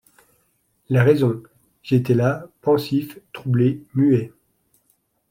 La raison : J’étais là, pensif, troublé, muet ;